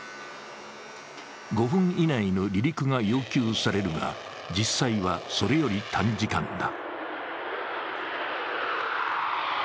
５分以内の離陸が要求されるが、実際はそれより短時間だ。